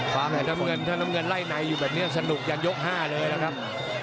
ถ้าน้ำเงินไล่ไหนอยู่แบบนี้สนุกยังยกห้าเลยนะครับ